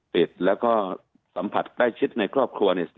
เป็น๒๔ครับ